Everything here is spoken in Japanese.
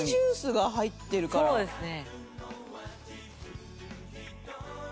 そうですね。